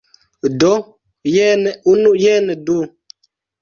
Do, jen unu jen du